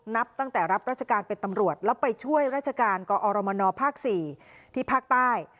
นับตั้งแต่รับราชการเป็นตำรวจแล้วไปช่วยราชการกอรมนภ๔ที่ภาคใต้